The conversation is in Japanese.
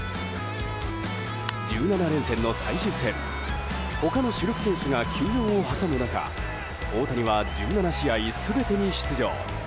１７連戦の最終戦他の主力選手が休養を挟む中大谷は１７試合全てに出場。